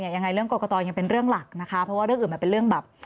ยังไงเรื่องกรกตยังเป็นเรื่องหลักนะคะเพราะว่าเรื่องอื่นมันเป็นเรื่องแบบ